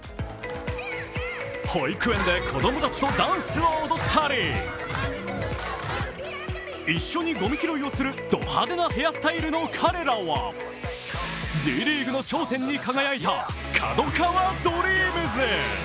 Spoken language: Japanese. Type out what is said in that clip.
保育園で子供たちとダンスを踊ったり、一緒にごみ拾いをするド派手なヘアスタイルの彼らはＤリーグの頂点に輝いたＫＡＤＯＫＡＷＡＤＲＥＡＭＳ。